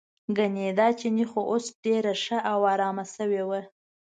ګنې دا چینی خو اوس ډېر ښه او ارام شوی و.